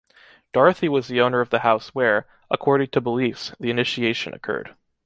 Dorothy was the owner of the house where, according to beliefs, the initiation occurred.